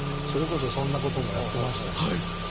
それこそそんな事もやってましたし。